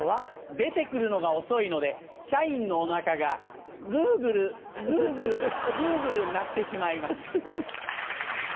出て来るのが遅いので社員のお腹がグーグルグーグルグーグル鳴ってしまいます。